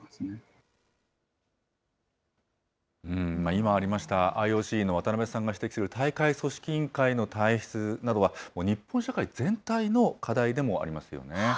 今ありました、ＩＯＣの渡辺さんが指摘する大会組織委員会の体質などは、日本社会全体の課題でもありますよね。